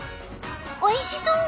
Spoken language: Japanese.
おいしそう！